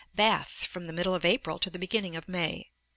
Bath, from the middle of April to the beginning of May.